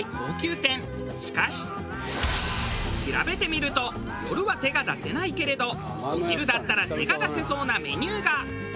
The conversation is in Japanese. しかし調べてみると夜は手が出せないけれどお昼だったら手が出せそうなメニューが。